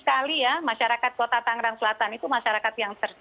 dan saya yakin sekali ya masyarakat kota tangerang selatan itu masyarakat yang tercinta